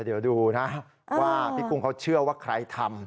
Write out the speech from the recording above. เดี๋ยวดูนะว่าพี่กุ้งเขาเชื่อว่าใครทำ